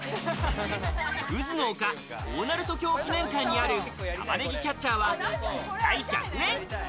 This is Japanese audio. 「うずの丘大鳴門橋記念館」にある玉ねぎキャッチャーは、１回１００円。